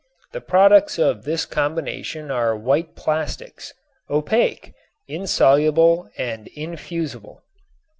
The products of this combination are white plastics, opaque, insoluble and infusible.